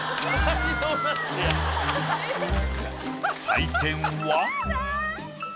採点は。